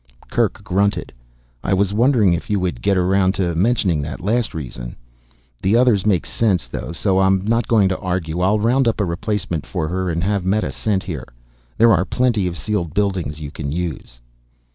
Kerk grunted. "I was wondering if you would get around to mentioning that last reason. The others make sense though, so I'm not going to argue. I'll round up a replacement for her and have Meta sent here. There are plenty of sealed buildings you can use."